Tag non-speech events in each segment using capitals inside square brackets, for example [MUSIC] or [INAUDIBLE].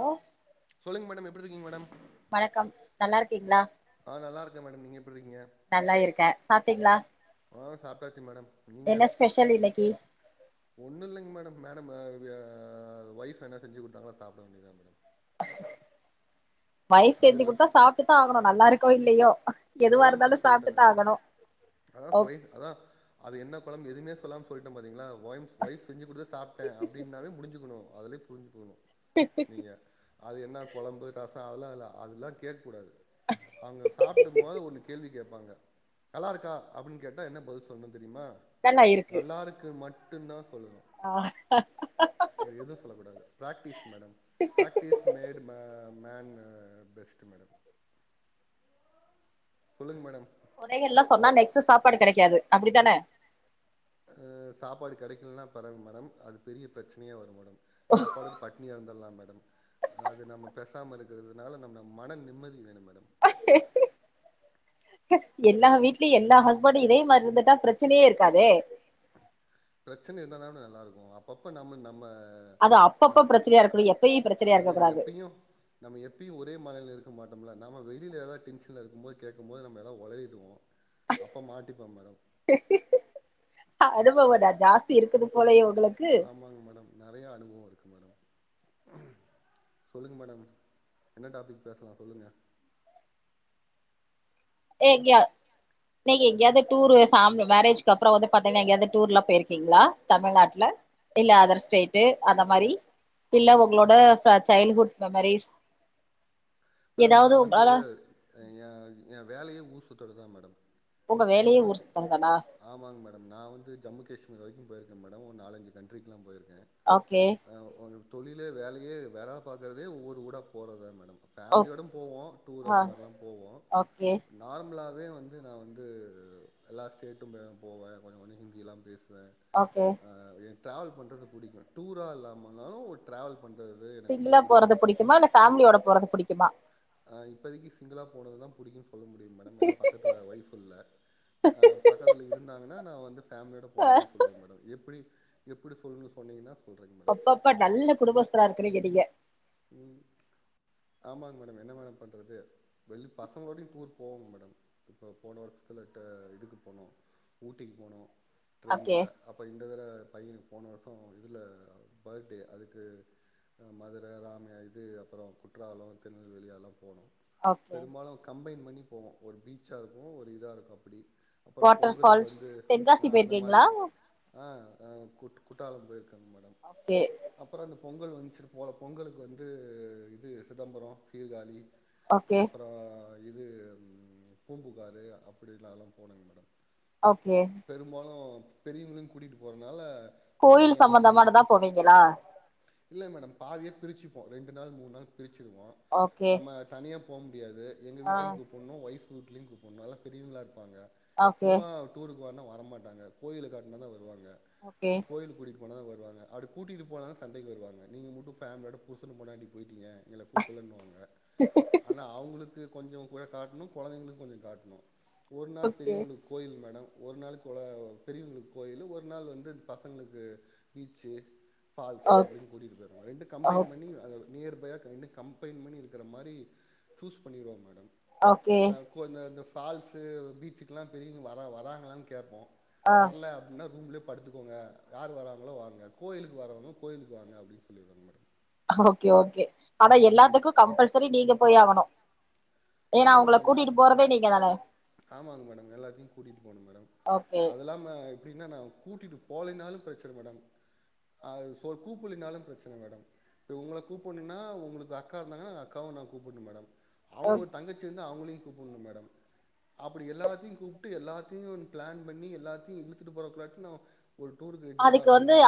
ஓ சொல்லுங்க மேடம் எப்டி இருக்கீங்க மேடம் வணக்கம் நல்லா இருக்கீங்களா ஆ நல்லாருக்கே மேடம் நீங்க எப்டிருக்கீங்க நல்லா இருக்கே சாப்ட்டீங்களா ஆ சாப்ட்டாச்சு மேடம் நீங்க என்ன ஸ்பெஷல் இன்னைக்கி ஒன்னு இல்லைங்க மேடம் மேடம் அ வ ஒய்ஃபு என்ன செஞ்சி குடுத்தாங்ளோ சாப்ட வேண்டியதா மேடம் ஒய்ஃப் செஞ்சி பதில்ல குடுத்தா சாப்ட்டு தா ஆகணோ நல்லா இருக்கோ இல்லயோ அதுதா மேடம் எதுவாருந்தாலு சொல்ட்டே சாப்ட்டு தா நானு ஆகணோ அதா ஓ ஒய் அதா அது என்ன கொழம்பு எதுவுமே சொல்லாம சொல்ட்டே பாத்தீங்களா ஒய்ம் ஒய்ஃப் செஞ்சு குடுத்த சாப்ட்டே அப்டீன்னாவே முடிஞ்சுக்கணோ அதுலயே புரிஞ்சு போணோ நீங்க அது என்ன கொழம்பு ரசோ அதலா இல்ல அதலா கேக்கூடாது அவுங்க சாப் சாப்டும் போது ஒன்னு கேள்வி கேப்பாங்க நல்லா இருக்கா அப்டீனு கேட்டா என்ன பதில் சொல்ணோ தெரியுமா நல்லா இருக்கு மட்டுந்தா சொல்லணோ ஆ ப்ப எதுவு சொல்லகூடாது பிராக்டிஸ் மேடம் பிராக்டீஸ் மேட் ம மேன்னு பெஸ்ட்டு மேடம் சொல்லுங்க மேடம் கொறைகள்லா சொன்னா நெக்ஸ்ட்டு சாப்பாடு கெடைக்காது அப்டித்தானே அ சாப்பாடு கெடைக்கலனா பரவால மேடம் அது பெரிய பிரச்சனையா வரும் மேடம் சாப்பாடு பட்னியா இருந்தர்லா மேடம் அது நம்ம பேசாம இருக்கறதுனால நம் நம்ம மன நிம்மதி வேணு மேடம் எல்லா வீட்லயு எல்லா ஹஸ்பண்டு இதே மாரி இருந்துட்டா பிரச் சனையே இருக்காதே பிரச்சன இருந்தா தான நல்லா இருக்கு அப்பப்ப நம்ம நம்ம அது அப்ப அப்ப பிரச்சனையா இருக்கூடிய எப்பைய் பிரச்சனையா அது எனக்கு இருக்ககூடாது எப்பயும் நம்ம எப்பயு ஒரே மனநில இருக்க மாட்டோம்ல நம்ம வெளில எதா டென்ஷன்ல இருக்கும்போது கேக்கபோது நம்ம எதாத் ஒளறிடுவோ அப்ப மாட்டிப்பம் மேடம் அனுபவ கொஞ்ச ஜாஸ்தி இருக்குது போலயோ உங்களுக் ஆமாங் மேடம் நறைய அனுபவோ இருக்கு மேடம் சொல்லுங்க மேடம் என்ன டாப்பிக் பேசலா சொல்லுங்க ஏ கியா நீங்க எங்கயாவ்து டூரு ஃபேமிலி மேரேஜ்க்கு அப்றோ வந்து பாத்தீங்ன்னா எங்கியாவ்து டூர்லா போய்ருக்கீங்ளா தமிழ்நாட்ல இல்ல அதர் ஸ்டேட்டு அந்த மாரி இல்ல உங்களோட ப சைல்ட்ஹூட் மெமரிஸ் மேடம் நா ஏதாவது வந்து உங்களால எ ஏ வேலயே ஊர் சுத்தறது தா மேடம் உங்க நா வேலையே ஊர் சுத் சுத்துறதானா ஆமாங் மேடம் நா வந்து ஜம்மு காஷ்மீர் வரைக்கு போயிருக்கே மேடம் ஒரு நாலஞ்சு கண்ட்ரிக்கலா போயிருக்கே ஓகே ஆ ம் தொழிலே வேலயே வேறா பாக்கறதே ஊர்வூடா போறத் தா மேடம் ஓக் ஃபேமிலியோடும் போவோ டூர் ஆ அந்த மாரிலா போவோ ஓகே நார்மலாவே வந்து நா வந்து எல்லா ஸ்டேட்டும்மே போவே கொஞ்ச கொஞ்ச ஹிந்திய்லா பேசுவே ஓகே அ எ டிராவல் பண்றது புடிக்கு டூரா இல்லாம இருந்தாலு ஒரு டிரவல் பண்றது வந்து எனக்கு ரொம்ப சிங்கிளா புடிக்கு போறது புடிக்குமா இல்ல ஃபேமிலியோட போறது புடிக்குமா ஆ இப்பதைக்கு சிங்கிளா போனது தா புடிக்குன் சொல்ல முடியுங் மேடம் ஏனா பக்கத்துல ஒய்ஃப் இல்ல அ பக்கத்துத்துல இருந்தாங்கன்னா நா வந்து ஃபேமிலியோட போனதுன் சொல்லுவே மேடம் எப்டி எப்டி சொல்லுன் சொன்னிங்கன்னா அப்பப்ப நல்ல குடும்பஸ்தரா இருக்கிறீங்க நீங்க ம் ஆமாங் மேடம் என்ன மேடம் பண்றது வெள் பசங்களோடையு டூர் போவங் மேடம் இப்போ போன வருஷத்துல டே இதுக்கு போனோ ஊட்டிக்கு போனோ ஓகே ட்ரெயின்ல அப்ப இந்த தர பைய்னுக் போன வருஷோ இதுல பர்த்டே அதுக்கு அ ம துர ராம இது அப்றோ குற்றாலோ திருநெல்வேலி அதெல்லா போனோ ஓகே பெரும்பாலு கம்பைன் பண்ணி போவோ ஒரு பீச்சா இருக்கு ஒரு இதா இருக்கு அப்டி அப்றோ வாட்டர் பொங்கலுக்கு ஃபால்ஸ் வந்து தென்காசி அ அந்த மாரி போயிருக்கீங்களா அ அ குட் குட்டாலம் போயிருக்கங்க மேடம் ஓகே அப்றோ இந்த பொங்கல் வன்ச்சு போல பொங்கலுக்கு வந்து இது சிதம்பரோ சீர்காழி ஓகே அப்றோ இது ம் பூம்புகார் அப்டி நாலா போனங்க மேடம் ஓகே பெரும்பாலு பெரியவங்ளையு கூட்டிட்டு போறனால கோயில் கொழந்தைங்க எல்லா மிக்ஸ் சம்மந்தமானதா போவீங்களா இல்ல மேடம் பாதியா பிரிச்சுப்போ ரெண்டு நாள் மூண் நாள் பிரிச்சிருவோ ஓகே நம்ம தனியா போ முடியாது எங்க ஆ வீட்லயு கூப்புட்ணு ஒய்ஃப் வீட்லயு கூப்புட்ணு எல்லா பெரியவங்களா இருப்பாங்க ஓகே சும்மா டூருக்கு வான்னா வரமாட்டாங்க கோயில காட்னா தா வருவாங்க ஓகே கோயில் கூட்டிட் போனா வருவாங்க அப்டி கூட்டிட்டு போலன சண்டைக்கி வருவாங்க நீங்க மட்டு ஃபேமிலியோட புருசனு பொண்டாட்டியு போய்ட்டீங்க எங்கள கூப்புல்லம்பாங்க [INAUDIBLE] ஆனா அவுங்குளுக்கு கொஞ்சம் கூட காட்னு கொழந்தைங்களுக்கு கொஞ்ச காட்னு ஒரு நாள் ஓகே பெரியவங்ளுக் கோயில் மேடம் ஒரு நாள் கொல பெரியவங்ளுக் கோயிலு ஒரு நாள் வந்து பசங்ளுக்கு பீச்சு ஓ ஃபால்ஸ்ஸு அப்டின் கூட்டிட் போயிர்னு ரெண்டு ஓ கம்பைன் பண் ணி அது நியர்பையா ரெண்டு கம்பைன் பண்ணிருக்கற மாரி சூஸ் பண்ணிருவ மேடம் ஓகே அ கொ இந்த இந்த ஃபால்ஸு பீச்சுக்லா பெரியவ்ங்க வர வராங்ளான் கேப்போ ஆ வர்ல அப்டினா ரூம்லே படுத்துக்கோங்க யார் வராங்களோ வாங்க கோயிலுக்கு வரவுங்க கோயிலுக்கு வாங்க அப்டின் சொல்லிருவன் மேடம் ஓகே ஓகே ஆனா எல்லாத்துக்கு கம்பல்சரி நீங்க போயாகணு ஏன்னா அவுங்கள கூட்டிட்டு போறதே நீங்க தான ஆமாங் மேடம் எல்லாத்தையும் கூட்டிட்டு போணும் மேடம் ஓகே அதுல்லாம அப்டின்னா நா கூட்டிட்டு போலேனாலும் பிரச்சன மேடம் அ சோ கூப்புலினாலு பிரச்சன மேடம் இப்ப உங்கள கூப்புன்னுன்னா உங்குளுக்கு அக்கா இருந்தாங்கன்னா அக்காவு நா கூப்புன்னு மேடம் அவுங்க ஒரு தங்கச்சி இருந்தா அவுங்களையு கூப்புன்னு மேடம் அப்டி எல்லாத்தையு கூப்ட்டு எல்லாத்தையு ப்ளான் பண்ணி எல்லாத்தையு இழுத்துட்டு போறக்குள்ளாட்டி நா ஒரு டூருக்கு எட்டு நாள் ரெண்ட்டுங்க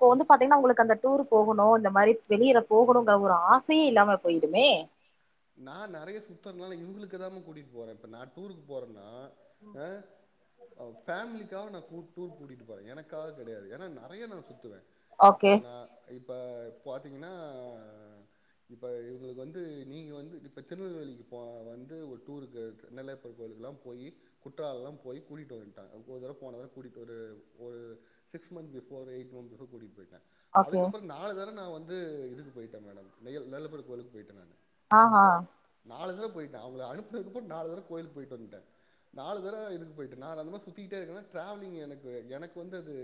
இப்ப வந்து பாத்தீங்ன்னா உங்குளுக்கு அந்த டூர்ரு போகணும் இந்த மாரி வெளியில போகணுங்குற ஒரு ஆசையே இல்லாம போய்டுமே நா நெறைய சுத்தர்னால இவுங்குளுக்கு தாம கூட்டிட் போற இப்ப நா டூருக்கு போறன்னா அ அ ஃபேமிலிக்காவ நா கு டூர் கூட்டிட்டு போறே எனக்காக கெடையாது ஏனா நெறைய நா சுத்துவ இப்ப ஓகே நா இப்ப பாத்தீங்ன்னா இப்ப இவுங்குளுக்கு வந்து நீங்க வந்து இப்ப திருநெல்வேலிக்கு போ வந்து ஒரு டூருக்கு நெல்லையப்பர் கோயிலுக்லா போயி குற்றால்லாம் போயி கூட்டிட்டு வந்ட்டாங்க ஒரு தடவ போன கூட்டிட்டு போ ஒரு ஒரு சிக்ஸ் மந்த் பிஃபோர்ரே எயிட் மந்த் பிஃபோர் கூட்டிட் போயிட்ட ஓகே அதுக்கப்பறம் நாலு தர நா வந்து இதுக்கு போயிட்ட மேடம் நெய்யல் நெல்லப்பர் கோயிலுக்கு போயிட்ட நானு அ ஆ நாலு தடவ போயிட்ட அவுங்கள அனுப்புனதுக்கப்பு நாலு தர கோயிலுக் போய்ட்டு வந்ட்ட நாலு தரவ இதுக்கு போயி்ட்டு நா நல்லா சுத்திக்கிட்டே இருக்க ட்ராவலிங் எனக்கு எனக்கு வந்து அது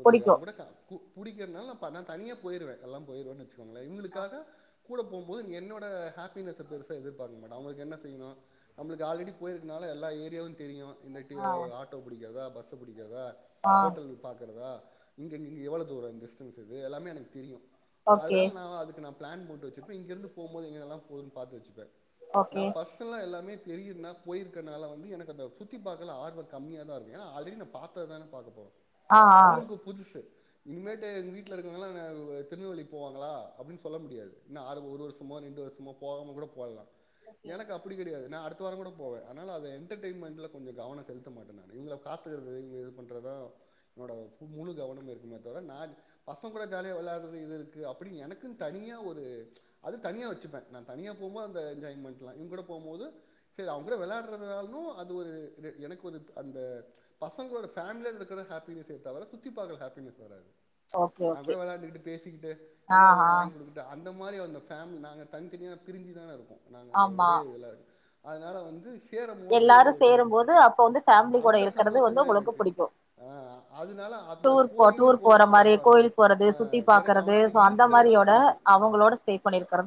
ஒரு புடிக்கு அவுங்கூட க கு புடிக்கறனால நா நா தனியா போயிருவ எல்லா போயிருவ வச்சுக்கோங்ளே இவுங்குளுக்காக கூட போம்போது என்னோட ஹாப்பினஸ்ஸ பெருசா எதிர்பாக்க மாட்ட அவங்களுக்கு என்ன செய்னோ நம்ளுக்கு ஆல்ரெடி போயிருக்கனால எல்லா ஏரியாவு தெரியு இந்தட்டி ஆ ஆட்டோ புடிக்காதா பஸ்ஸு புடிக்காதா ஆ ஹோட்டல் பாக்கறதா இங்கங்க எவ்ளோ தூர டிஸ்டன்ஸ் இது எல்லாமே எனக்கு தெரியு ஓகே அதுனால நா அதுக்கு நா பிளான் போட்டு வச்சுப்ப இங்கேருந்து போம்போது எங்கெங்கெல்லா போதுனு பாத்து வச்சுப்ப நா ஓகே பஸ்ட் துவா எல்லாமே தெரியுன்னா போயிருக்கனால வந்து எனக்கு அந்த சுத்தி பாக்கல ஆர்வ கம்மியதாருக்கு ஏன்னா ஆல்ரெடி நா பாத் த் தான பாக்க போறோ ஆ ஆ அவுங்குளுக்கு அது புதுசு இனிமேட்டு எங்க வீட்ல இருக்கவுங்களா திருநெல்வேலி போவாங்களா அப்டின் சொல்ல முடியாது இன்னு ஆறு ஒரு வர்ஷ் ஷமோ ரெண்டு வருஷமோ போவாம கூட போல்லா எனக்கு அப்பிடி கெடையாது நா அடுத்த வாரங்கூட போவ அனால அத எந் என்டர்டெய்ன்மெண்ட்ல கொஞ்ச கவன செலுத்த மாட்டே நானு இவுங்ள காத்துக்கறது இவ இது பண்றதா என்னோட ஃபுல் முழு கவனமு இருக்குமே தவிர நா பசங்ளோட ஜாலியா வெளாட்றது இது இருக்கு அப்பிடின் எனக்குன் தனியா ஒரு அது தனியா வச்சுப்ப நா தனியா போம்போது அந்த என்ஜாய்மெண்ட்லா இவுங்கூட போம்போது செரி அவுங்கூட வெளாடுறதுனாலு அது ஒரு எனக்கு ஒரு அந்த பசங்களோட ஃபேமிலியோட்ருக்குற ஹாப் பினஸ தவர சுத்தி பாக்க ஹாப்பினஸ் வராது ஓகே ஓகே அவுங்கூட வெளாண்டுக்கிட்டு பேசிக்கிட்டு ஆ என்னடா ஆ வேணு வாங்கி குடுக்கட்டு அந்த மாரி அந்த ஃபேம்லி நாங்க தனித்தனியா பிரிஞ்சுதான இருக்கோ நாங்க ஆமா ஒரே இதுல அதுனால வந்து தேறம்மோது எல்லாரு சேரும்போது அப்ப வந்து ஃபேமிலி கூட அந்த இருக்கறது வந்து சந்தோஷந்தா உங்களுக்கு எனக்கு புடிக்கு அ அதனால அந்த டூர் போ டூர் போற கோயிலுக்கோல்னா மாரி வருவாங்க கோயில் அ எனக்கு அவுங்க கூட இருக்குறதா த அவங்களோட சே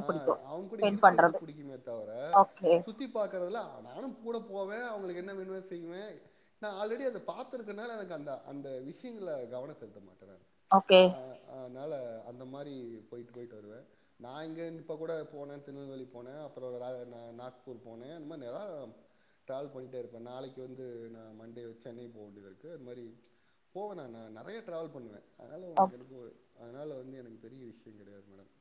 ஆ அவுங்க கூட இருக்குறது புடிக்குமே தவர ஓகே சுத்தி பாக்குறதுல நானு கூட போவே அவங்களுக்கு என்ன வேணுமோ செய்வே நா ஆல்ரெடி அத பாத்திருக்கறனால எனக்கு அந்த அந்த விஷயங்கள்ல கவன செலுத்த மாட்ட நானு ஓகே அ அதனால அந்த மாரி போய்ட்டு போய்ட்டு வருவ நா இங்க இப்ப கூட போன திருநெல்வேலி போன அப்பறோ ரா நாக்பூர் போன அந்த மாரி எதா ட்ராவல் பண்டே இருப்ப நாளைக்கு வந்து நா மண்டே சென்னை போ வேண்டியது இருக்கு அது மாரி போவே நா நா நெறைய ட்ராவல் பண்ணுவே அதனால உனக்கு ஓக் அனுப்புவே அதனால வந்து எனக்கு பெரிய விஷய கெடையாது மேடம்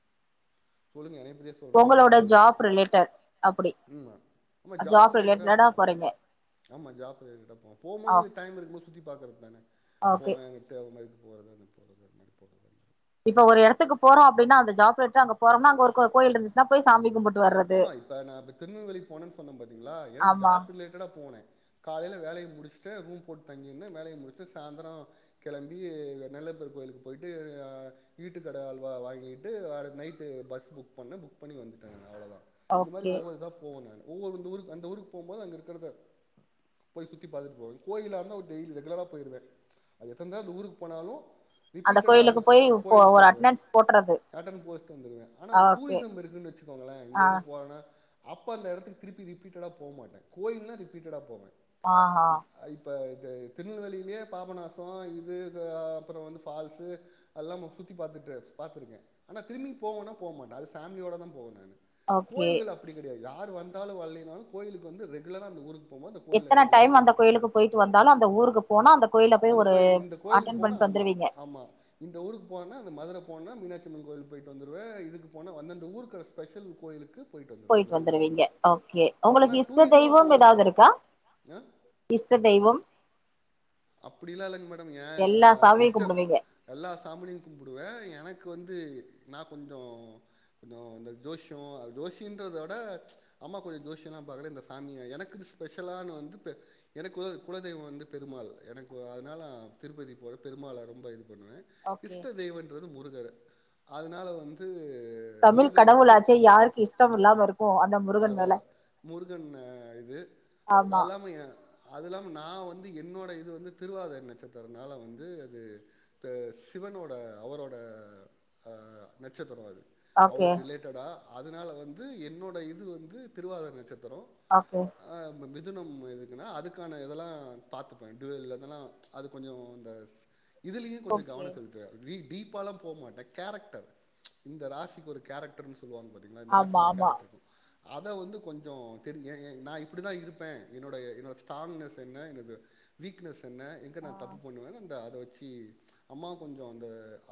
சொல்லுங்க நெறய பிளேஸ் தோழரே நீங்க உங்களோட சொல்லுங்க ஜாப் ரிலேட்டட் அப்டி ம்மா ஆமா ஜாப் ரிலேட்டடா சொல்ற ஆமா ஜாப் ரிலேட்டடாப்பா போம்போது ஓகே டைம் இருக்குபோது சுத்தி பாக்குறது தான ஓகே போவே அங்க தேவ இல்லாதது போறது அந்த போறது அந்த மாரி போறது அந்த இப்ப ஒரு எடத்துக்கு போறோ அப்டின்னா அந்த ஜாப் லெட்டர் அங்க போறோம்னா அங்க ஒரு கோயில் இருந்துச்சன்னா போய் சாமிகும்புட் ஆமா இப்ப நா இப்ப திருநெல்வேலிக்கு போனேன் சொன்னே பாத்தீங்ளா எனக்கு ஆமா ஜாப் ரிலேட்டடா போனே காலைல வேலய முடிச்சுட்டு ரூம் போட்டு தங்கியிருந்த வேலய முடிச்சுட்டு சாந்தரோ கெளம்பி நெல்லையப்பர் கோயிலுக்கு போயிட்டு ஈட்டு கட அல்வா வாங்கிட்டு நைட்டு பஸ் புக் பண்ண புக் பண்ணி வந்துட்டங்க அவ்ளதா இந்த மாரி ஓகே ஒவ்வொரு இதா போவ நானு ஒவ்வொரு ஊரு அந்த ஊருக்கு அங்க இருக்கிறத போய் சுத்தி பாத்துட்டு போவ கோயிலா இருந்தா டெய்லி ரெகுலரா போய்டுவ அது எத்தன தடவ அந்த ஊருக்கு போனாலு ரிபீட்டடா அந்த கோயிலுக்கு போய் இப்போ கோயிலுக்கு ஒரு போய்டுவ அட்டனன்ஸ் போட்றது அட்டன் போஸ்ட் வந்துருவே ஆனா ஒரு ஓகே டூரிசம் இருக்குன் வச்சுக்கோங்களே இங்க ஆ இருந்து போ அப்பறனா அப்ப அந்த இடத்துக் திருப்பி ரிப்பீட்டடா போ மாட்ட கோயில்னா ரிபீட்டடா போவ ஆ ஹ இப்ப இது திருநெல்வேலிலயே பாபநாச இது அப்பற வந்து ஃபால்ஸு எல்லாமே சுத்தி பாத்துட்டு பாத்திருக்கே ஆனா திரும்பி போவனா போ மாட்ட அது ஃபேமிலியோட தா போவே நானு ஓகே கோயில்கள் அப்டி கெடையாது யார் வந்தாலு வர்ல்லனாலு கோயிலுக்கு வந்து ரெகுலரா அந்த ஊருக் போம்போது அந்த கோயில எத்தன ரெகுலரா டைம் போய் அந்த [INAUDIBLE] கோயிலுக்கு போயிட்டு வந்தாலு அந்த ஊருக்கு போனா அந்த கோயில போய் அந்த ஒரு கோயிலுக் இந்த கோயிலுக்கு அட்டன் போனா பண்ணிட்டு ஆமா வந்துருவீங்க ஆமா இந்த ஊருக்கு போனா அந்த மதுர போனா மீனாட்சி அம்மன் கோயிலுக் போயிட்டு வந்துருவ இதுக்கு போனா அந்தந்த ஊருக் ஸ்பெஷல் கோயிலுக் போய்ட்டு வந்துருவீங்க ஓகே உங்களுக்கு இஷ்ட தெய்வ எதாது இருக்கா ந இஷ்ட தெய்வம் அப்டிலா இல்லங் மேடம் ஏ எல்லா சாமியு இஷ்டக் கும்பிடுவீங்க எல்லா சாமிடயு கும்புடுவ எனக்கு வந்து நா கொஞ்சோ கொஞ்சோ இந்த ஜோசியே அது ஜோசின்றத விட அம்மா கொஞ்சோ ஜோசியெல்லா பாக்குற இந்த சாமிய எனக்கு ஸ்பெஷலான வந்து எனக்கு குலதெய்வ வந்து பெருமாள் எனக்கு அதனால திருப்பதி போ பெருமாள ரொம்ப இது பண்ணுவ ஓகே இஷ்ட தெய்வன்றது முருகர் அதுனால வந்து தமிழ் முருகருக்கு கடவுளாச்சே யாருக் இஷ்ட இல்லாம இருக்கு அந்த முருகன் அதா மேல முருகன் இது ஆமா அல்லாம ஏ அது இல்லாம நா வந்து என்னோட இது வந்து திருவாதயர் நச்சத்திரனால வந்து அது த்து சிவனோட அவரோட அ நச்சத்திரோ அது ஓகே அவருக்கு ரிலேட்டடா அதுனால வந்து என்னோட இது வந்து திருவாதர் நச்சத்திரோ ஓகே ஆ மிதுனும் இதுக்குன்னா அதுக்கான இதெல்லா பாத்துப்பே டுயுல் இதெல்லா அது கொஞ்சோ அந்த இதுலியு கொஞ்ச ஓகே கவன செலுத் துவ வி டீப்பாலா போ மாட்டே கேரக்டர் இந்த ராசிக்கு ஒரு கேரக்டர்னு சொல்லுவாங்க பாத் திங்களா இந்த ஆமா ராசிக்கு இந்த ஆமா கேரக்ட்ருக்கு அத வந்து கொஞ்சோ தெரிய ஏ ஏ நா இப்டிதா இருப்பே என்னோடய என்னோ ஸ்ட்ராங்னஸ் என்ன என்னோட வீக்னஸ் என்ன எங்க ஆ நா தப்பு பண்ணுவேனு அந்த அத வெச்சு அம்மா கொஞ்சோ அந்த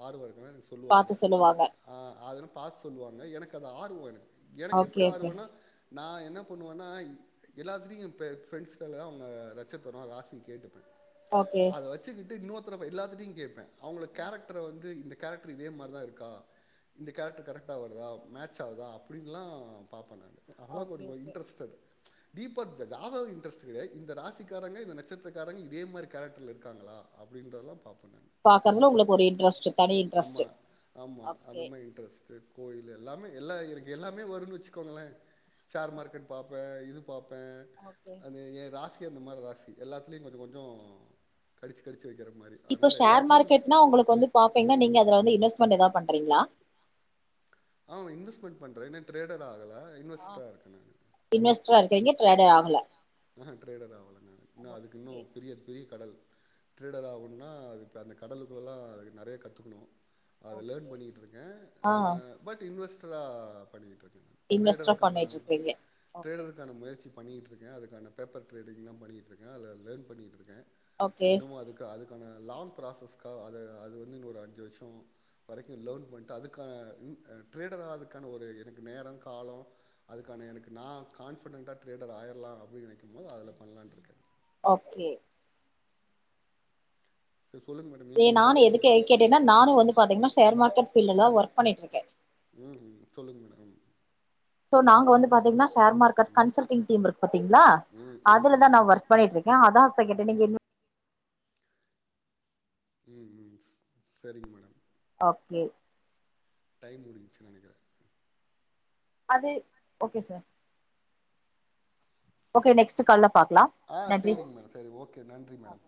ஆர்வொ இருக்குனா எனக்கு சொல்லுவாங்க பாத்து சொல்லுவாங்க ஆ அதெலா பா சொல்லுவாங்க எனக்கு அது ஆர்வோ எனக்கு எனக்கு ஓகே எப்டி ஓகே ஆர்வோனா நா என்ன பண்ணுவன்னா இ எல்லாத்துலயு இப்ப ஃப்ரெண்ட்ஸ்கல்லா அவங்க நச்சத்ரோ ராசி கேட்டுப்பே ஓகே அத வச்சுக்கிட்டு இன்னொரு தர எல்லாத்திட்டயு கேப்பே அவங்கள கேரக்டர வந்து இந்த கேரக்டர் இதே மாரிதா இருக்கா இந்த கேரக்டர் கரெக்ட்டா வருதா மேட்ச் ஆவுதா அப்டின்லா பாப்ப நானு அதெல்லா ஓகே கொஞ்சோ ஓகே இன்ட்ரெஸ்ட்டட் தீபக் ஜ ஜாதக இன்ட்ரெஸ்ட் கெடயா இந்த ராசிக்காரங்க இந்த நட்சத்திரக்காரங்க இதே மாரி கேரக்டர்ல இருக்காங்களா அப்டின்றதல்லா பாப்ப நானு பாக்கறதுல உங்களுக்கு ஒரு இன்ட்ரெஸ்ட் தனி இன்ட்ரெஸ்ட் ஆமா ஆமா அந்த ஓகே மாரி இன்ட்ரெஸ்ட்டு கோயில் எல்லாமே எல்லா எனக்கு எல்லாமே வருனு வெச்சுக்கோங்களே ஷேர் மார்க்கெட் பாப்பே இது பாப்பே ஓகே அது ஏ ராச் கு அந்த மாரி ராசி எல்லாத்துலயு கொஞ்சோ கொஞ்சோ கடிச்சு கடிச்சு வைக்கிற மாரி இப்போ அதனால ஷேர் எல்லாத்துலயு மார்கெட்னா உங்களுக்கு வந்து மார்க்கெட்னா பாப்பீங்னா நீங்க அதுல வந்து இன்வஸ்மென்ட் எதா உங்களுக்கு பண்றீங்ளா வந்து பாப்பீங்கன்னா ஆ இன்வெஸ்ட்மெண்ட் பண்றே இன்னு ட்ரேடர் ஆகல இன்வெஸ்ட்ரா இருக்க நானு இன்வெஸ்ட்ரா இருக்கீங்க ட்ரேடர் ஆகல ஆ ட்ரேடர் ஆவல நானு இன்னு அதுக்கு இன்னு ஓகே பெரிய பெரிய கடல் ட்ரேடர் ஆவன்னா அதுக்கு அந்த கடலுக்குள்ளலா அதுக்கு நெறைய கத்துக்கணு அத லேர்ன் ஓகே பண்ணிக்கிட்டு இருக்கே ஆ பட் இன்வெஸ்டரா பண்ணிக்கிட்ருக்கே நா இன்வெஸ்டா ட்ரேடருக்கான பண்ணிட்டு இருக்கீங்க ஓகே ட்ரேடருக்கான முயற்சி பண்ணிட்ருக்கே அதுக்கான பேப்பர் ட்ரேடிங்லா பண்ணிட்ருக்கே அதுல லேர்ன் பண்ணிட்ருக்கே ஓகே இன்னமு அதுக்கு அதுக்கான லாங் ப்ராசஸ்க்கா அது அது வந்து இன்னு ஒரு அஞ்சு வருஷோ வரைக்கு லேர்ன் பண்ட்டு அதுக்கான இ ட்ரேடர் ஆறதுக்கான ஒரு எனக்கு நேரோ காலோ அதுக்கான எனக்கு நா கான்ஃபிடன்ட்டா ட்ரேடர் ஆயிரலா அப்டினு நெனைக்கும்போது அதுல பண்லான்ட்ருக்கே ஓகே சர் சொல்லுங்க மேடம் நீங்க உங்கள பத்தி சொல்லுங்க பாத்தீங்னா ஷேர் மார்கட் ஃபீல்லல்லா ஒர்க் பண்ணிட்ருக்கே ம் ஹும் சொல்லுங்க மேடம் சோ நாங்க வந்து பாத்தீங்கன்னா ஷேர் மார்கட் ம் கன்சல்டிங் டீம் இருக் பாத்தீங்ளா ம் ம் அதுலதா ம் ம் நா ஒர்க் பண்ணிட்டு இருக்கே அதா இப்ப கேட்டே ம் ம் நீங்க இன் ம் ம் சரிங்க மேடம் ஓகே டைம் முடிஞ்சு நெனக்கிற அது ஓகே சார் ஓகே நெக்ஸ்ட்டு கால்ல பாக்லா நன்றி செரி ஓகே நன்றி மேடம்